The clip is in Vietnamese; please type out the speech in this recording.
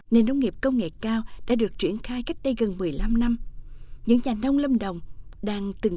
nền nông nghiệp công nghệ cao đã được triển khai cách đây gần một mươi năm năm những nhà nông lâm đồng đang từng